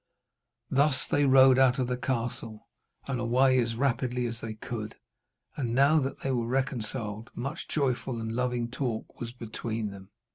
Thus they rode out of the castle, and away as rapidly as they could. And now that they were reconciled, much joyful and loving talk was between them.